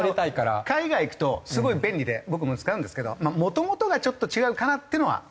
もちろん海外行くとすごい便利で僕も使うんですけどもともとがちょっと違うかなっていうのは思う。